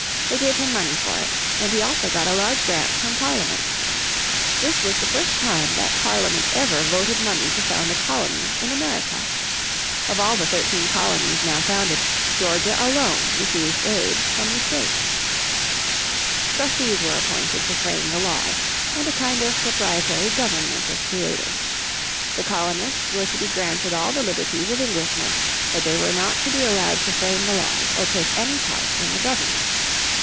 They gave him money for it, and he also got a large grant from Parliament. This was the first time that Parliament ever voted money to found a colony in America. Of all the thirteen colonies now founded Georgia alone received aid from the State. Trustees were appointed to frame the laws, and a kind of proprietory government was created. The colonists were to be granted all the liberties of Englishmen, but they were not to be allowed to frame the laws or take any part in the government.